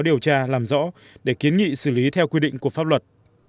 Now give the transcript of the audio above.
điều tra làm rõ để kiến nghị xử lý theo quy định của pháp luật